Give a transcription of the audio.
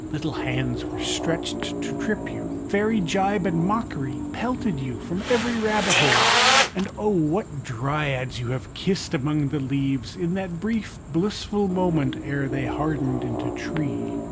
Little hands were stretched to trip you, fairy gibe and mockery pelted you from every rabbit hole; and O what Dryads you have kissed among the leaves, in that brief blissful moment ere they hardened into tree!